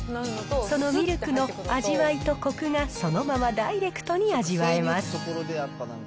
そのミルクの味わいとこくがそのままダイレクトに味わえます。